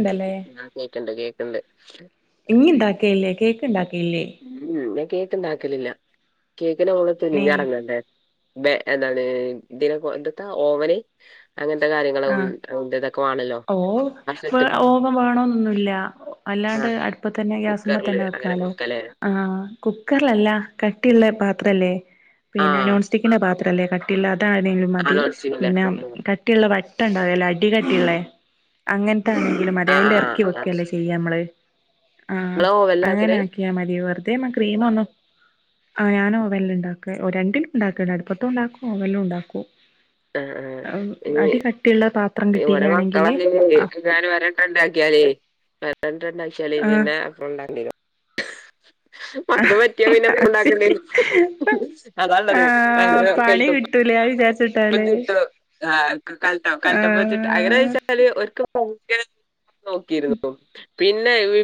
ണ്ടല്ലേ ആഹ് കേക്കിണ്ട് കേക്കിണ്ട്. ഇങ്ങ് ഇണ്ടാക്ക്യേയില്ലെ? കേക്ക് ഇണ്ടാക്ക്യേയില്ലെ? ഉം മ് ഞാൻ കേക്ക് ഇണ്ടാക്കലില്ല കേക്കിന് മോള്ത്തെ ഏ നിഞ്ഞ എറങ്ങണ്ടേ. ബേ എന്താണ് ഇതിന എന്താട്ടാ ഓവന്. അങ്ങനത്തെ കാര്യങ്ങളും ആഹ് അതിന്റെ ഇതൊക്കെ വാണല്ലോ ഓ ആ വ സെറ്റ് ഓവൻ വേണന്നന്നുല്ല. ആ അല്ലാണ്ട് അടുപ്പ തന്നെ ഗ്യാസ്മ്മ കുക്കറില് തന്നെ അങ്ങനൊക്കെ വെക്കാലോ. വെക്കലേ ആഹ് കുക്കർലല്ല കട്ടിയുള്ള പാത്രല്ലേ ആ പിന്നെ നോൺ സ്റ്റിക്കിന്റെ പാത്രം. ത്രല്ലെ കട്ടിയിള്ള അതാണെങ്കിലും ആ മതി നോൺ സ്റ്റിക്കിന്റെ പിന്നെ കട്ടിയുള്ള വാ ട്ട ണ്ടാവല്ലോ അടികട്ടിള്ളെ അങ്ങനത്താണെങ്കിലും മതി ആ ആ അയ്ലെർക്കി ആ വെക്കല്ലേ ചെയ്യ. നമ്മള് ആഹ് ഇങ്ങള് ഓവനിലാ അങ്ങനെ ആക്കല് ആക്കിയാ മതി വെറുതെ മ്മ ക്രീമൊന്നു. ആഹ് ഞാൻ ഓവന്ൽ ഉണ്ടാക്ക. ഓ രണ്ടിലും ഉണ്ടാക്കൽണ്ട് അടുപ്പത്തും ഉണ്ടാക്കും ഓവനലും ഉണ്ടാക്കും. ആ ആ ഏ ഈ അടി കട്ടിയുള്ള പാ ഇവിടെ മക്കളല്ല [unintelligible] ഞാൻ ഒരട്ടണ്ടാക്കിയാലേ ഒരട്ടണ്ടാക്കിയാലേ പിന്നെ എപ്പളുണ്ടാക്കണ്ട്യരും. മക്കക്ക് ആഹ് പറ്റിയ പിന്നെപ്പളും ശരി ഇണ്ടാക്കണ്ടേരും അതാള്ളത്. [unintelligible] ട്ടുലാ വിചാരിച് ചുട്ടു കാൽ കൽത്ത കൽത്തപ്പം ചുട്ട് അങ്ങന ആഹ് വെച്ചാല് ഓര്ക്കൊക്കെ ഭയങ്കര നോക്കിയിരുന്നു പിന്നെ വി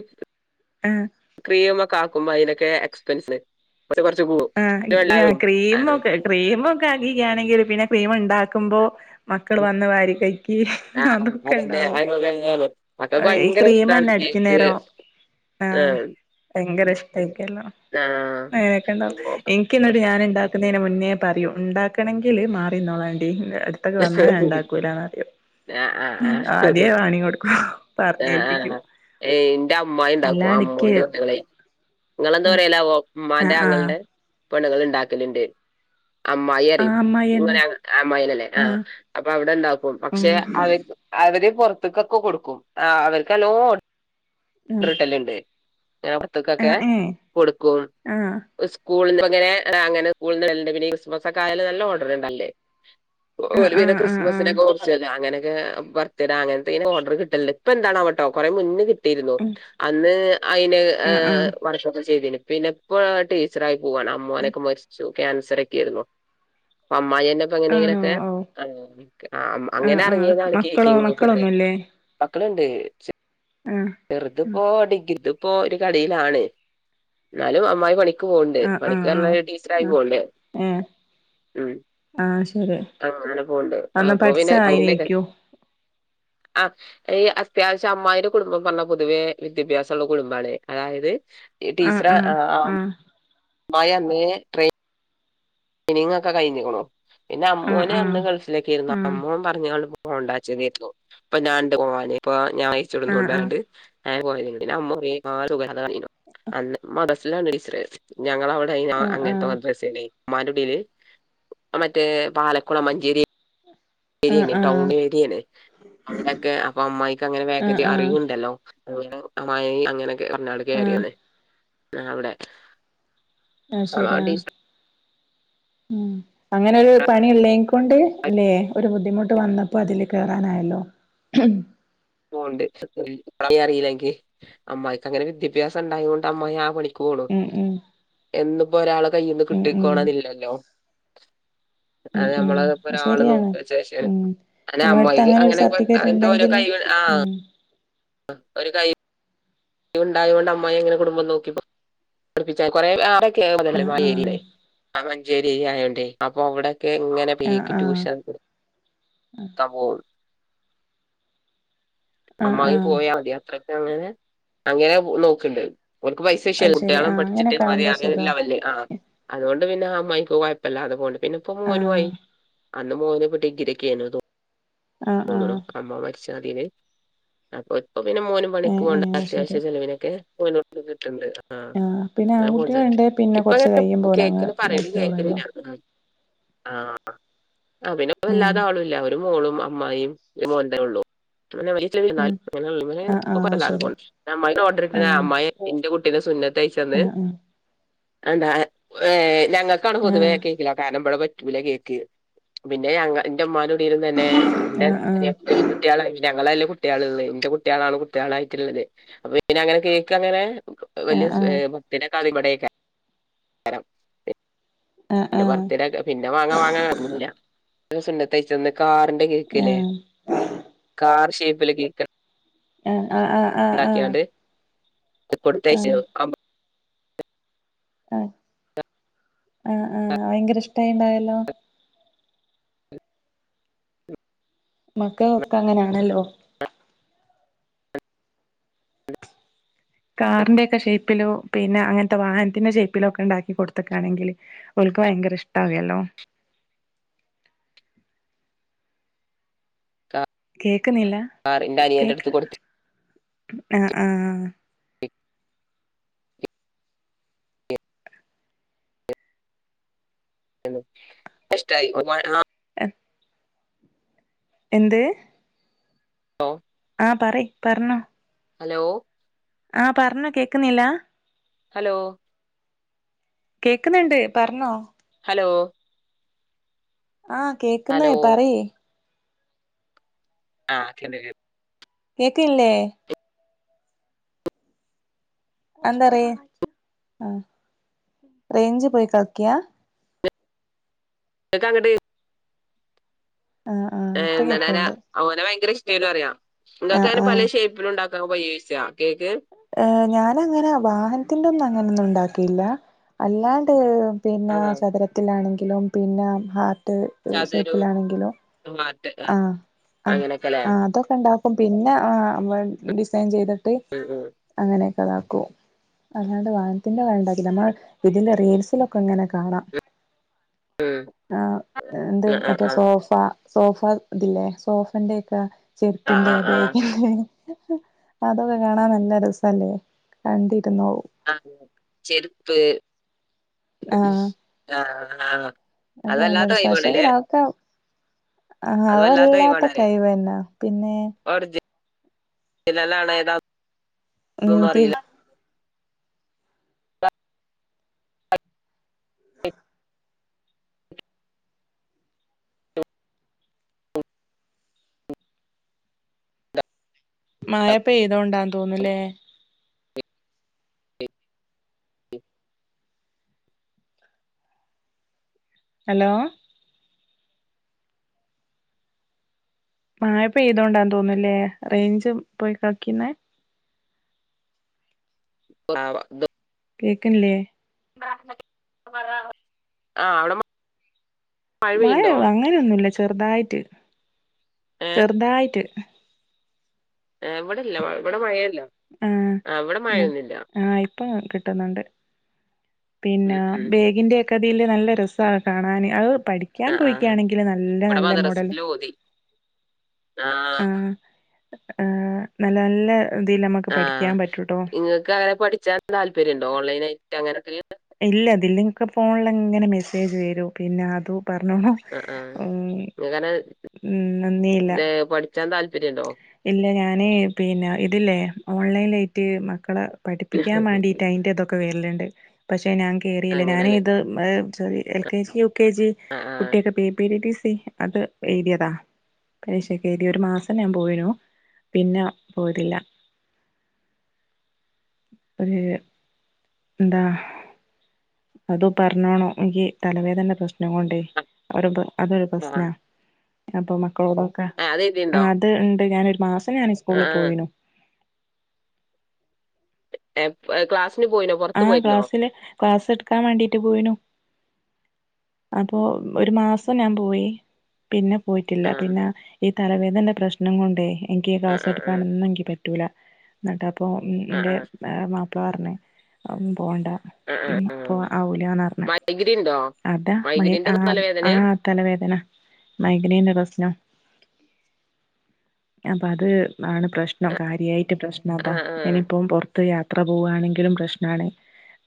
ആഹ്. ക്രീമ് ഒക്കെ ആക്കുമ്പോ അതിനൊക്കെ എക്സ്പെൻസ് കൊർച്ച് കൂടും. ആഹ് ക്രീമൊക്കെ ക്രീമൊക്കെ ആക്കി കാണെങ്കിൽ പിന്നെ ക്രീമുണ്ടാക്കുമ്പോ. മക്കൾ ഉം. വന്ന് വാരി കഴക്കി ആഹ് അതന്നെ അതൊക്കെണ്ടാവും അതിനോട് തന്നെയാണ് അ മക്കൾക്ക് ഈ ഭയങ്കര ഇഷ്ടാണ് ക്രീമന്നെ കേക്ക് വൈുന്നേരോ ആഹ് ഭയങ്കര ഇഷ്ടമായിരിക്കല്ലോ ആഹ് അങ്ങനെക്കെ ണ്ടാവും എനിക്ക് ഇന്നൊരു ഞാൻ ഇണ്ടാക്കുന്നതിന് മുന്നേ പറിയൂ ഇണ്ടാക്കണെങ്കില് മാറിന്നോളാണ്ടി എട് ത്ത്ക്ക് വന്ന ആഹ് ഞാൻ ഇണ്ടാക്കൂലന്ന്റിയും. ആഹ് ആഹ് ഉം ആധ്യേ വാണിങ്ങ് കൊടുക്കും പറഞ്ഞേൽപ്പിക്കും. ഏയ് ഇന്റെ അമ്മായ് ഉണ്ടാക്കും അല്ലാണ്ട് ഇക്ക് അമ്മോന്റെ പെണ്ണ്ങ്ങളെ. ഇങ്ങളെന്താ ആഹ് പറയലാവോ ആഹ് ഉമ്മാന്റെ ആഹ് ആങ്ങൾന്റെ പെണ്ണ്ങ്ങൾ ഇണ്ടാക്കലുണ്ട്. അമ്മായി ആഹ് അറിയും. അമ്മായിയന്നെ ഇങ്ങനെ അമ്മായിന്നല്ലേ. ആഹ് അപ്പൊ അവിടെ ഇണ്ടാക്കും ഉം പക്ഷെ അവ അവര് പൊർത്ത്ക്കൊക്കെ കൊടുക്കും. ആഹ് അവർക്ക് നല്ലോം ഉം ഓർഡർ കിട്ടലിണ്ട്. ഏഹ് പൊർത്ത്ക്കൊക്കെ ആഹ് ഏഹ് കൊടുക്കും. ആഹ് സ്കൂൾന്ന് ഇപ്പങ്ങനെ അങ്ങനെ സ്കൂൾന്ന് വര്ല്ണ്ട്. ക്രിസ്മസ് ഒക്കെ ആയാൽ നല്ല ഓർഡർ ഇണ്ടാവൽണ്ട്. ഒ ആഹ് ഓൽ പിന്നെ ആഹ് ആഹ് ക്രിസ്മസ്. ആഹ് സിനൊക്കെ [unintelligible] അങ്ങനക്കെ ബർത്ത്ഡേ അങ്ങൻത്തീനൊക്കെ ഓഡർ കിട്ടല്ണ്ട്. ഇപ്പൊ എന്താണാവട്ടോ കുറെ മുന്നേ കിട്ട ട്ടിരുന്നു ഉം അന്ന് അയിന് ആഹ് ഏഹ് ആഹ് വർക്കൊക്കെ ചെയ്തിന് പിന്നെപ്പം. [unintelligible] ടീച്ചറായ് പോവാണ്. ഉം അമ്മോനൊക്കെ മരിച്ചു. ക്യാൻസറൊക്കെയായ്രുന്നു. പ്പം അമ്മായന്നെ. ആണോ ഓ. അങ്ങനൊക്കെ ആഹ് അങ്ങനെ ആഹ് എറങ്ങിയതാണ് മക്കളോ കേക്കിങ്ങ്ക്ക് ഒക്കെ മക്കളൊന്നുല്ലേ മക്കളിണ്ട്. ആഹ് ചെറുത് ഇപ്പോ ഡിഗ്രി ത് ഇപ്പോ ഒരു കടയിലാണ് എന്നാലും അമ്മായി പണിക് ക്ക് പോവിണ്ട് ആഹ് പണിക്ക് ആഹ് പറഞ്ഞാൽ ടീച്ചറ ആയി ആഹ് ആഹ് പോവേ [unintelligible] ഏഹ് ഉം ആഹ് ശരി ആഹ് അങ്ങനെ പോണ്ട് അന്ന് ആപ്പ പിന്നെ [unintelligible] പഠിച്ചായിനേക്കും ആഹ് ഈ അത്യാവശ്യം അമ്മായിയുടെ കുടുംബം. പറഞ്ഞ പൊതുവെ വിദ്യാഭ്യാസം ഉള്ള കുടുംബമാണ് അതായത് ആഹ് ടീച്ചർ ആഹ് ആ അ ആഹ് മായന്നെ ട്രേ നിങ്ങ് ഒക്കെ കഴിഞ്ഞിക്കണു പിന്നെ അമ്മവോൻ അന്ന് ആഹ് ഗൾഫിലക്കെയിരുന്നു ആഹ് അമ്മോൻ പറഞ്ഞ പോണ്ടച്ചതേരിക്കും ഇപ്പൊ ഞാ ഇണ്ട് ഓൻ ഇപ്പ ഞാൻ ആഹ് ആഹ് അയച്ചിടുന്നണ്ട് ണ്ട് [unintelligible] ഞങ്ങള അവിടെ ഞാ ആഹ് ആഹ് ആഹ് അങ്ങനത്തെ മദ്രസേണേ ഉമ്മാന്റെ ഉടീല് മറ്റേ പാലക്കുള മഞ്ചേരി ശരിയണ് ആഹ് ടൗണേരിയേണ് അങ്ങിടൊക്കെ അപ്പൊ അമ്മായിക്ക് അങ്ങനെ ആഹ് വേക്കൻസി ആഹ് അറിവു ആഹ് ഉണ്ടല്ലോ [unintelligible] അമ്മായി അങ്ങനൊക്കെ പറഞ്ഞാട് ആഹ് കേറിയന്നെ ആ അവിടെ അത് ശെരി ആ ആഹ് ടീ ഉം അങ്ങനെ ഒരു പണി എള്ളെങ്കി കൊണ്ട് അല്ലേ ഒരു ബുദ്ധിമുട്ട് വന്നപ്പോ അതില് കേയറാനായല്ലോ ഉം പോവണ്ട് [unintelligible] അറിയില്ലെങ്കി അമ്മായിക്ക് അങ്ങനെ വിദ്യാഭ്യാസം ഇണ്ടായോണ്ട് അമ്മായി ആ പണി ക്ക് പോവുള്ളു ഉം ഉം എന്നിപ്പൊ ഒരാളെ കയ്യീന്ന് ഉം ഉം കിട്ടിക്കോണോന്നില്ലല്ലോ ഉം അത് ഉം നമ്മളത് ഇപ്പൊ അത് ഒരാള് ശരിയാണ് നോക്കിയ ഉം ശേഷായിരിക്കും അല്ലെ നമ്മളെ അടുത്ത് അമ്മായിക്ക് ഒരു അങ്ങനെ [unintelligible] സർട്ടിഫിക്കറ്റ് അങ്ങനത്തോരോ ഇണ്ടെങ്കില് കൈകൾ ആഹ് ഉം ഒരു കൈ യ്യുണ്ടായോണ്ട് അമ്മായി ഇങ്ങനെ കുടുംബം നോക്കി ആഹ് ആഹ് [unintelligible] [unintelligible] മഞ്ചേരി ആയോണ്ടേ അപ്പൊ അവിടെ ക്കെ ഇങ്ങനെ ആഹ് പീക്ക് ആഹ് ടൂഷൻ കൊടുക്കാൻ പോവൊള്ളൂ ആഹ് അമ്മായി ആഹ് പോയാ മതി യാത്ര അങ്ങനെ നോക്കെണ്ട് ഓർക്ക് പൈസ അത് വിഷയല്ല ശരി കുട്ടികളും ആഹ് പഠിച്ചിട്ട് അങ്ങനൊക്കെ മതി ആവുമ്പോ അങ്ങനെ ഒര് സുഖാ ലെവല് ആഹ് അതുകൊണ്ട് പിന്നെ അമ്മായിക്ക് കൊഴപ്പില്ല അത് പോണ്ട് പിന്നെ ഇപ്പൊ ആഹ് മോനുവായി അന്ന് മോനിപ്പ ഡിഗ്രിക്കായിന്നു ആഹ് തോന്നണു ആഹ് അമ്മ മരിച്ച അതീന് അപ്പോ ഇപ്പൊ പിന്നെ മോനും പണിക്കു ഏഹ് പോണുണ്ട് ഏഹ് അത് ശരി അത്യാവിശ്യ ചെലവിനൊക്കെ മോനു [unintelligible] കിട്ടണണ്ട്‌ ആഹ് പിന്നെ ഞാൻ പോണെണ്ട് ആൺകുട്ടികളുണ്ട് പിന്നെ കുറച്ച് ഇപ്പങ്ങനെ കഴിയും പോലെ അങ്ങ് കേക്കണ പറയണ നോക്കിയോളല്ലോ കേക്കണില്ല ആഹ് ആഹ് അഹ് പിന്നെ ഉം വല്ലാതെ ആളുംല്ല ഒരു മോളും അമ്മായീം മോന്റെ ഉള്ളൂ അങ്ങനെ ഉം ആഹ് ആഹ് ശരി [unintelligible] അമ്മായി ഓർഡർ ഇട്ടണാ ആഹ് അമ്മായി ഇന്റെ കുട്ടീനെ സുന്നത്ത് കയിച്ചന്ന് ആഹ് ആഹ് അതെന്താ ഏഹ് ഞങ്ങക്കാണ് പൊതുവേ കേ‌ക്കിലോ കാരണം ഇവിടെ പ റ്റൂല കേക്ക് പിന്നെ ഞങ്ങ എന്റെ ഉമ്മാന്റെ കുടിയിലും തന്നേ ആഹ് ആഹ് എയുന്റുട്ട്യാള ഞങ്ങളല്ലെ കുട്ട്യാളിള്ളെ ഇന്റെ കുട്ട്യാളാണ് കുട്ടികളായിട്ടിള്ളത് അപ്പൊ പിന്നെ അങ്ങനെ കേക്കങ്ങനെ വല്ല്യ ആഹ് സ് എഹ് ബർത്ത്ഡേക്കെ ആദ്യമായിട്ടാ [unintelligible] ആഹ് ആഹ് ആഹ് ആഹ് പിന്ന ആഹ് ബർത്ത്ടേക്കാ പിന്നെ വാങ്ങാ വാങ്ങാ [unintelligible] സുന്നത്ത് കഴിച്ചേന്റന്ന് കാറിന്റെ കേ‌ക്കില്ലെ കാർ ഷേപ്പിലക്ക ഇരിക്കണ അഹ് അഹ് ആഹ് ആഹ് ആഹ് ഇണ്ടാക്കിയാണ്ട് കൊടുത്തയച്ചു [unintelligible] ആഹ് ആഹ് ആഹ് ഭയങ്കര ഇഷ്ട്ടായിണ്ടാവല്ലോ മക്കകൊക്കെ അങ്ങനാണല്ലോ കാറിന്റെക്കെ ഷേപ്പിലോ പിന്നെ അങ്ങനത്തെ വാഹനത്തിന്റെ ഷേപ്പിലോ ഒക്കെ ഇണ്ടാക്കി കൊടുത്തക്കാണെങ്കില് ഓലിക്ക് ഭയങ്കര ഇഷ്ട്ടാകേല്ലോ കേക്ക്ന്നില്ല കാറിന്റെ അനിയന്റെ കേക്ക് അടുത്ത് കൊടുത്തു ഉം ആഹ് ആഹ് [unintelligible] ഇഷ്ട്ടായി ഒരുപാട് ആഹ് എഹ് എന്തേ [unintelligible] ആഹ് പറയ് പറഞ്ഞോ ഹലോ ആഹ് പർഞ്ഞോ കേക്കുന്നില്ലാ ഹലോ കേക്ക്ന്നിണ്ട് പർഞ്ഞോ ഹലോ ആഹ് കേക്കുന്നേ ഹലോ പറി ആഹ് അങ്ങനെ രു കേക്കില്ലേ എന്താറ് ആഹ് റേഞ്ച്പോയി കളിക്യാ ഇതൊക്കെ അങ്ങട്ട് ആഹ് ആഹ് ഏഹ് ഇപ്പൊ എന്തനാ കേക്കണ്ട് ഓനെ ഭയങ്കര ഇഷ്ടേനു റയാം ആഹ് നിങ്ങക്കങ്ങന ആഹ് പലേശെയ് എപ്പള് ഇണ്ടാക്കാ പയേസ കേക്ക് ഏഹ് ഞാനങ്ങനെ വാഹനത്തിന്റെന്നും അങ്ങനൊന്നും ഇണ്ടാ‌ക്കില്ല അല്ലാണ്ട് പിന്നാ ആഹ് ചതുരത്തിലാണെങ്കിലും പിന്നെ ഹാർട്ട് അതെരു ഷേപ്പിലാണെങ്കിലും മാ ആഹ് ആഹ് അതൊക്കെണ്ടാക്കും പിന്നെ ആഹ് ഡിസൈൻ ചെയ്തിട്ട് ഉം ഉം അങ്ങനെയൊക്കെ താകൊ അല്ലാണ്ട് വാനത്തിന്റെ കണ്ടാക്കില നമ്മള് ഇതില് റീൽസിലൊക്കെ ഇങ്ങനെ കാണാ ഉം ആഹ് എന്ത് ആഹ് മറ്റേ ആഹ് സോഫ സോഫ ഇതില്ലേ സോഫന്റെക്കെ ആഹ് ചെരിപ്പിന്റെ ആഹ് ബേഗ ആഹ് അതൊക്കെ കാണാൻ നല്ലരസല്ലേ കണ്ടിരുന്നോവു ആഹ് ചെര്പ്പ് ആഹ് ആഹ് ആഹ് അത് നല്ല വല്ലാത്ത രസ കഴിവാണ്ല്ലേ ശെങ്കില് ആക്കാ ആഹ് അത് കഴിവാണ് വല്ലാത്ത കൈവന്നെ പിന്നെ [unintelligible] ഏതാ ഉം ന്നെന്നു തി അറീല്ല മാഴ പെയ്തോണ്ടാന്ന് തോന്നുലേ അലോ മായ പെയ്തോണ്ടാന്ന് തോന്നൂല്ലേ റേഞ്ച് പോയി കളിക്നെ ആവ കേക്ക്ണ്ല്ലേ ആഹ് അവിടെ മ മഴോ അങ്ങനെയൊന്നുല്ല ചെർതായിറ്റ് ഏഹ് ചെർതായിറ്റ് ഏഹ് ഇവിടെല്ല ഇവിടെ മഴയെല്ല ആഹ് ന്നാ ആയി ഇപ്പ കിട്ട്ണ്ണ്ട് പിന്നെ ഉം ഉം ബേഗിന്റെ ക്ക തില് നല്ല രസാണ് കാണാന് അഹ് പഠികാം ആഹ് ആഹ് പോയികാണെങ്കിൽ നല്ല ഇവിടെ നല്ല മോഡല് ആഹ് അ ആഹ് നല്ല നല്ല ഇതിൽ നമുക്ക് ആഹ് പഠിക്കാൻ പറ്റൂട്ടോ ഇങ്ങക്ക് അങ്ങനെ പഠിച്ചാൻ താല്പര്യണ്ടോ ഓൺലൈനായിട്ട് അങ്ങനെയൊക്കെ ഇല്ല അതില്ന്ക്ക് ഫോണിൽ ഇങ്ങനെ മെസ്സേജ് വരൂ പിന്നെ അതു പറഞ്ഞോളാ ആഹ് ആഹ് ഉം നന്ദിയില്ല നിങ്ങക്കനെ പഠിച്ചാൻ താല്പര്യണ്ടോ ഇല്ല ഞാന് പിന്നെ ഇതില്ലേ ഓൺലൈനായിട്ട് മക്കളെ പഠിപ്പിക്കാൻ മാണ്ടി അയിന്റെ ഇതൊക്കെ വർല്ണ്ട് പക്ഷെ ഞാൻ കേറിയില്ല ഞാന് അങ്ങനല്ലേ ത് sorry L K G U K G ആ ആ കുട്ടിയൊക്കെ P P C T C അത് എഴുതിയതാ പരീക്ഷക്കെഴുതിയ ഒരു മാസ ഞാൻ പോയിന്നു പിന്നെ പോയിട്ടില്ല ഒർ എന്താ അത് പറഞ്ഞാണോ എനിക്ക് തലവേദന പ്രശ്നം കൊണ്ടേ ആ, അത് അതൊരു ആ. പ്രശ്നാ അപ്പൊ മക്കളോടൊക്കെ ആ, അത് എഴുതിണ്ടോ ആഹ് ഹ് ഇണ്ട് ഞാനൊരു മാസം ഞാന് ആ സ്കൂളിൽ ആ പോയിനു എപ്പ ക്ലാസിനു പോയിനു ആഹ് ക്ലാസ്സില് ക്ലാസ്സ് എടുകാം വേണ്ടീട്ട് പോയിനു അപ്പോ ഒരു മാസം ഞാൻ പോയി പിന്നെ പോയിട്ടില്ല ആ പിന്നെ ഈ തലവേദന്റെ പ്രശ്നം കോണ്ടേ എനിക്ക് ആ ആ ക്ലാസ് ആ ആ എടുക്കാനോ എനി പ റ്റൂല ന്നിട്ട അപ്പോ ആ ന്റെ മാപ്പള പറഞ്ഞ് എം പോണ്ട ആ ആ [unintelligible] പോ ആ. ആവുലന്നർഞ്ഞ് ർഞ്ഞ് മൈഗ്രെയിൻ ഉണ്ടോ അതാ മ മൈഗ്രെയിൻ്റെ ആഹ് ആഹ തലവേദനയാ തലവേദന മൈഗ്രൈന്റെ പ്രശ്നം അപ്പൊ അത് ആണ് പ്രശ്നം കാര്യമായിട്ട് പ്രശ് ആ അതാ ആ ഇനിയിപ്പം പുറത്ത് യാത്ര പോവുവാണെങ്കിലും പ്രശ്നണ്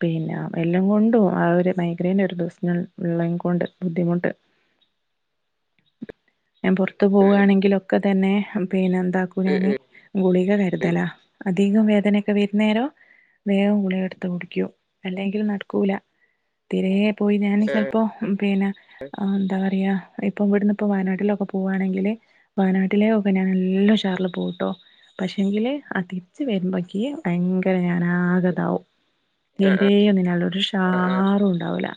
പിന്നെ എല്ലാം കൊണ്ടും ആഹ് ഒരു മൈഗ്രൈന്റെ ഒരു പ്രശ്ന ഇള്ളൻ കൊണ്ട് ബുദ്ധിമുട്ട് [unintelligible] ഞൻ പൊറത്തു ഉം, പോവണെങ്കിലൊക്കെ തന്നെ പിന്നെ എന്താക്കൂ ഉം, ഞാന് ഉം, ഉം. ഗുളിക കരുതല അധികം വേദനയൊക്കെ വരുന്നേരം വേഗം ഗുളിക ത്ത് കുടിക്കും അല്ലെങ്കി നടക്കൂല തിരേ പോയി ഞാന് ആ ചെൽപ്പോ പിന്നെ അ എന്താ പറയ ഇപ്പം ഇവിടുന്ന്പ്പോ വയനാട്ടിലൊക്കെ പോവണെങ്കില് വയനാട്ടില് പിന്നേ നല്ല ഉഷാറില് പോവുട്ടോ പക്ഷേങ്കില് അതിരിച്ച് വരുമ്പോഴക്ക് ഭയങ്കര ഞാനാകിതാവും ആ ആ ആ തീരെ ഇതിണ്ടാവൂല ഒരു ഷാറും ഇണ്ടാവൂല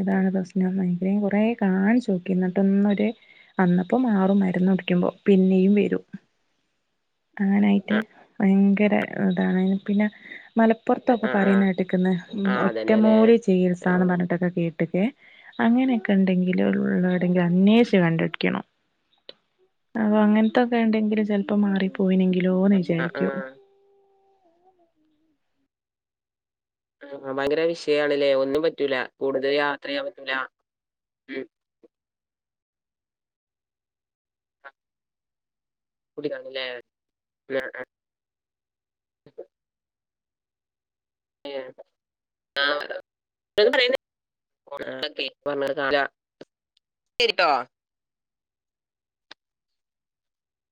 അതാണ് പ്രശ്നം മൈഗ്രൈൻ കൊറേ കാണിചോക്കി എന്നിട്ടൊന്നൊര് അന്നപ്പം മാറും മരുന്ന് കുടിക്കുമ്പോ പിന്നേയും വരൂ. അങ്ങനൊയിട്ട് ആ ഭയങ്കര ഇതാണ് പിന്നെ മലപ്പുറത്തൊക്കെ ആ ആ പറയുന്ന കേട്ടിക്കണ് ആ, അതന്നെ അല്ലേ ഒറ്റമൂലി ആ ചികിത്സന്ന് പറഞ്ഞിട്ടൊക്കെ കേട്ടിക്കെ അങ്ങനെയൊക്കെ ഉണ്ടെങ്കില് ഉള്ളടെങ്കിലും അന്വേഷിച്ച് കണ്ടുടിക്കണം അപ്പൊ അങ്ങൻത്തൊക്കെ ഇണ്ടെങ്കിൽ ചെലപ്പോ മാറിപ്പോയിനെങ്കിലോന്ന് ആ വിചാരിക്കു ആ ആഹ് ഭയങ്കര വിഷയണ്ല്ലേ ഒന്നും പറ്റൂല കൂടുതൽ യാത്രയ്യാൻ പറ്റൂല ഉം കൂടി കാണുലേ അ ആഹ് എ ആഹ് [unintelligible] [unintelligible]